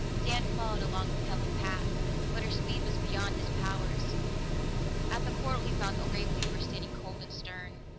Dan followed along the pebbled path, but her speed was beyond his powers; at the portal he found only the Grey Weaver standing cold and stern.